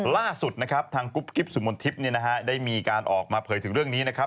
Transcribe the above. ล่าสุดนะครับทางกุ๊บกิ๊บสุมนทิพย์ได้มีการออกมาเผยถึงเรื่องนี้นะครับ